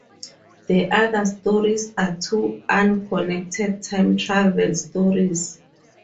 The other stories are two unconnected, time travel stories.